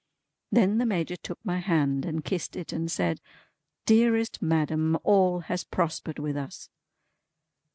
Then the Major took my hand and kissed it, and said, "Dearest madam all has prospered with us."